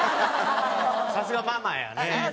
さすがママやね。